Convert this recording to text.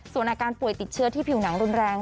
ส่วนอาการป่วยติดเชื้อที่ผิวหนังรุนแรง